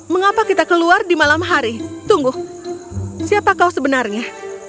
mengapa kita keluar di malam hari tunggu siapa kau sebenarnya